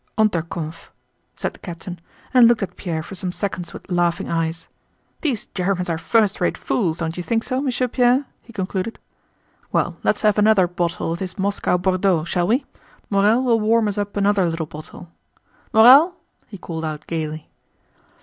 "Onterkoff," said the captain and looked at Pierre for some seconds with laughing eyes. "These Germans are first rate fools, don't you think so, Monsieur Pierre?" he concluded. "Well, let's have another bottle of this Moscow Bordeaux, shall we? Morel will warm us up another little bottle. Morel!" he called out gaily.